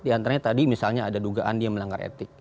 di antaranya tadi misalnya ada dugaan dia melanggar etik